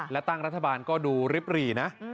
และตั้งรัฐบาลก็ดูริบหรี่นะ